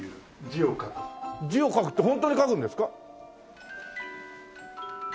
字を書くってホントに書くんですか？